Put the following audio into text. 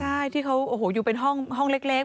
ใช่ที่เขาโอ้โหอยู่เป็นห้องเล็ก